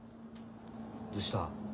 どうした。